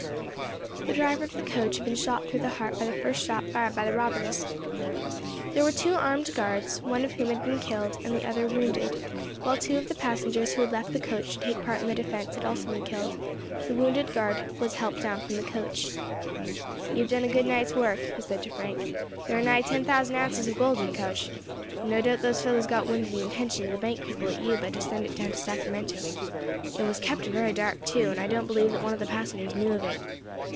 The driver of the coach had been shot through the heart by the first shot fired by the robbers. There were two armed guards, one of whom had been killed, and the other wounded, while two of the passengers who had left the coach to take part in the defence had also been killed; the wounded guard was helped down from the coach. "You have done a good night's work," he said to Frank; "there are nigh ten thousand ounces of gold in the coach. No doubt those fellows got wind of the intention of the bank people at Yuba to send it down to Sacramento; it was kept very dark too, and I don't believe that one of the passengers knew of it.